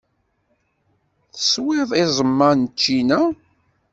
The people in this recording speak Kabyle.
Teswiḍ iẓem-a n ccina?